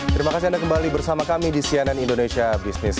terima kasih anda kembali bersama kami di cnn indonesia business